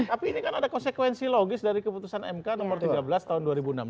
tapi ini kan ada konsekuensi logis dari keputusan mk nomor tiga belas tahun dua ribu enam belas